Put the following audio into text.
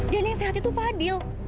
dan yang sehat itu fadil